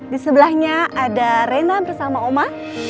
di sebelahnya ada rena bersama oma